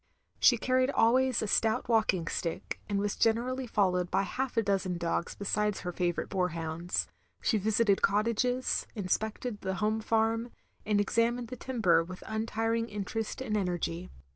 She carried always a stout walking stick, and was generally followed by half a dozen dogs besides her favourite boarhounds. She visited cottages, inspected the home farm, and examined the timber with untiring interest and energy.